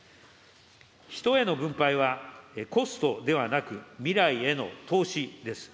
人への分配はコストではなく、未来への投資です。